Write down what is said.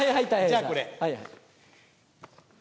じゃあ、これ。